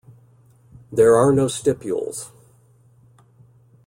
There are no stipules.